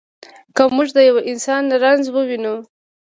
که موږ د یوه انسان رنځ ووینو.